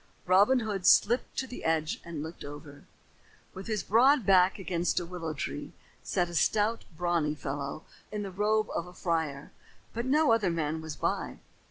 Robin Hood slipped to the edge and looked over. With his broad back against a willow tree, sat a stout, brawny fellow in the robe of a friar, but no other man was by.